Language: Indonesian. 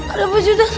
ada apa juta